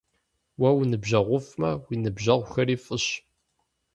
Уэ уныбжьэгъуфӀмэ, уи ныбжьэгъухэри фӀыщ.